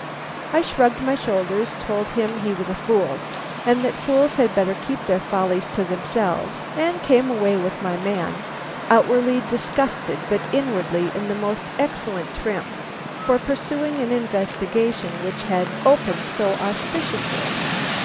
I shrugged my shoulders, told him he was a fool, and that fools had better keep their follies to themselves, and came away with my man, outwardly disgusted but inwardly in most excellent trim for pursuing an investigation which had opened so auspiciously.